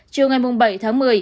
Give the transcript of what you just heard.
trước ngày bảy tháng một mươi